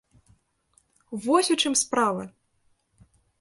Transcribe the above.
Вось у чым справа!